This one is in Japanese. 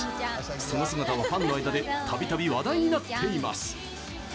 その姿はファンの間でたびたび話題になっています。